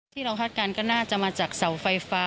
ที่เราคัดการณ์ก็น่าจะมาจากเสาไฟฟ้า